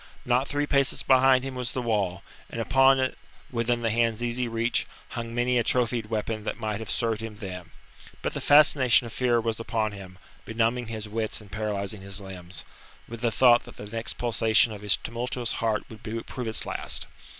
Not three paces behind him was the wall, and on it, within the hand's easy reach, hung many a trophied weapon that might have served him then. But the fascination of fear was upon him, benumbing his wits and paralysing his limbs, with the thought that the next pulsation of his tumultuous heart would prove its last.